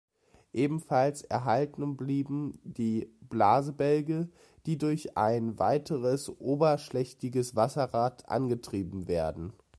Ebenfalls erhalten blieben die Blasebälge, die durch ein weiteres oberschlächtiges Wasserrad angetrieben werden.